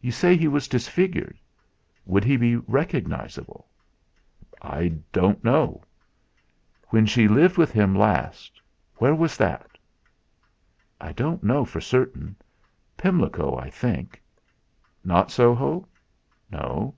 "You say he was disfigured. Would he be recognisable?" "I don't know." "When she lived with him last where was that?" "I don't know for certain. Pimlico, I think." "Not Soho?" "No."